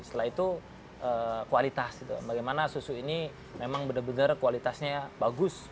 setelah itu kualitas bagaimana susu ini memang benar benar kualitasnya bagus